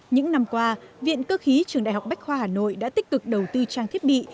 những năm qua viện cơ khí trường đại học bách khoa hà nội đã tích cực đầu tư trang thiết bị